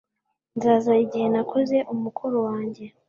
Nzaza igihe nakoze umukoro wanjye